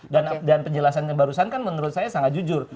dan penjelasan yang barusan kan menurut saya sangat jujur